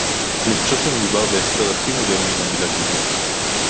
אני חושב שמדובר בהסבר הכי מודרני למלה כיבוש